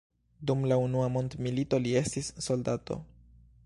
Dum la unua mondmilito li estis soldato.